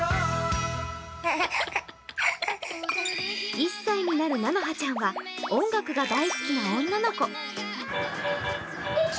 １歳になるなのはちゃんは音楽が大好きな女の子。